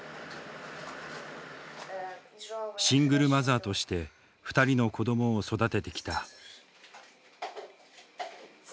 シングルマザーとして２人の子どもを育ててきた。